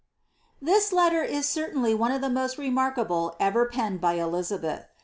SIS This letter is certainly one of the most remarkable ever penned by Elizabeth.